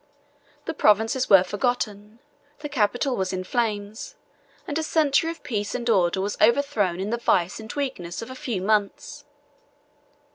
The provinces were forgotten, the capital was in flames, and a century of peace and order was overthrown in the vice and weakness of a few months.